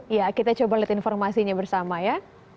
ya kita coba lihat informasinya bersama ya